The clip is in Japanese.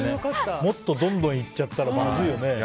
もっとどんどんいっちゃったらまずいよね。